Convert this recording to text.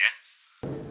bapak kan udah tua